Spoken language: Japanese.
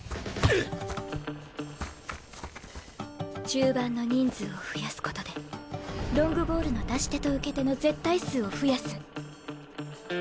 中盤の人数を増やすことでロングボールの出し手と受け手の絶対数を増やす。